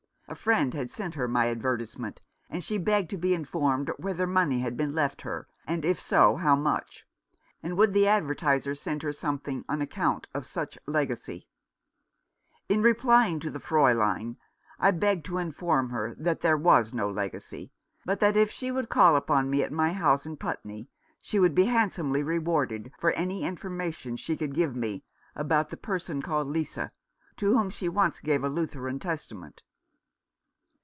A friend had sent her my advertisement, and she begged to be informed whether money had been left her, and if so, how much ? and would the advertiser send her something on account of such legacy ? In replying to the Fraulein, I begged to inform her that there was no legacy, but that if she would call upon me at my house in Putney, she would be handsomely rewarded for any information she could give me about the person called Lisa, to whom she once gave a Lutheran Testament.